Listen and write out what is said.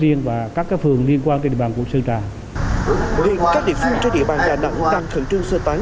hiện các địa phương trên địa bàn đà nẵng đang khẩn trương sơ tán